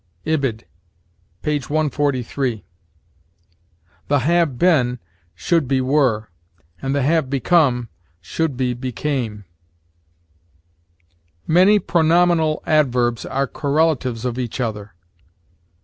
Ibid., p. 143. The have been should be were, and the have become should be became. "Many pronominal adverbs are correlatives of each other."